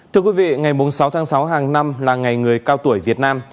thưa quý vị ngày sáu tháng sáu hàng năm là ngày người cao tuổi việt nam